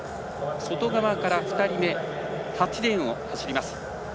外側から２人目８レーンを走ります。